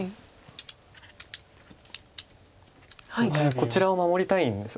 こちらを守りたいんです。